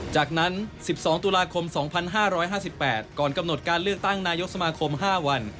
จากนั้น๑๒ตุลาคม๒๕๕๘ก่อนกำหนดการเลือกตั้งนายกสมาคม๕วัน